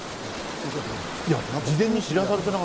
先生、どうですか？